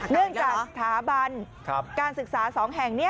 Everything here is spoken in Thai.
เนื่องจากสถาบันการศึกษา๒แห่ง